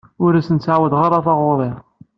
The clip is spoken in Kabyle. Ur asen-ttɛawadeɣ taɣuri.